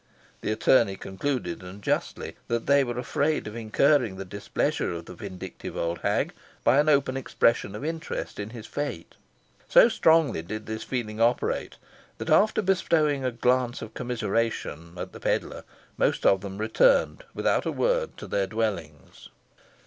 The attorney concluded, and justly, that they were afraid of incurring the displeasure of the vindictive old hag by an open expression of interest in his fate. So strongly did this feeling operate, that after bestowing a glance of commiseration at the pedlar, most of them returned, without a word, to their dwellings.